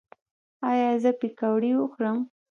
ایا زه پکوړې وخورم؟